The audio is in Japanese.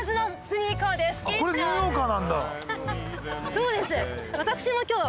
そうです。